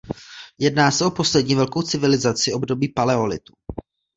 Jedná se o poslední velkou civilizaci období paleolitu.